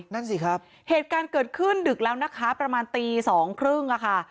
นั่นสิครับเหตุการณ์เกิดขึ้นดึกแล้วนะคะประมาณตีสองครึ่งอะค่ะ